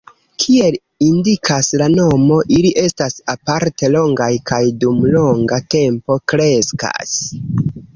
Kiel indikas la nomo, ili estas aparte longaj kaj dum longa tempo kreskas.